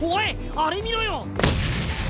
あれ見ろよ！